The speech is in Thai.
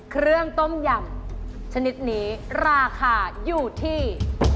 เครื่องต้มยำชนิดนี้ราคาอยู่ที่